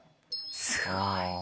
すごい！